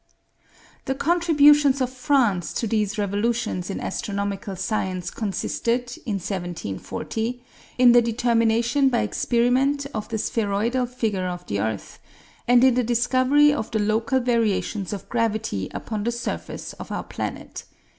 The contributions of France to these revolutions in astronomical science consisted, in 1740, in the determination by experiment of the spheroidal figure of the earth, and in the discovery of the local variations of gravity upon the surface of our planet.